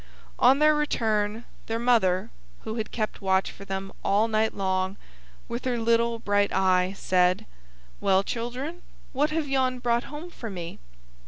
On their return, their mother, Who had kept watch for them all night long with her little bright eye, said, "Well, children, what have yon brought home for me?"